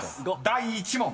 第１問］